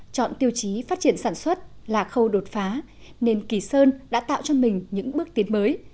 chọn tiêu chí phát triển sản xuất là khâu đột phá nên kỳ sơn đã tạo cho mình những bước tiến mới